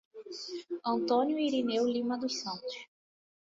Antônio Irineu Lima dos Santos